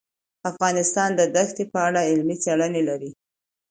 افغانستان د دښتې په اړه علمي څېړنې لري.